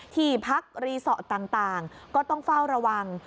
ที่พักรีสอร์ทต่างก็ต้องเฝ้าระวัง